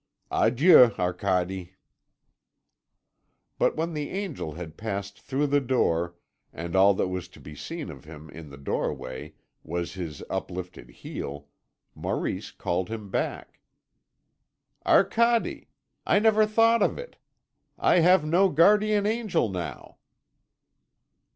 "Adieu, Arcade." But when the Angel had passed through the door, and all that was to be seen of him in the door way was his uplifted heel, Maurice called him back. "Arcade! I never thought of it! I have no guardian angel now!"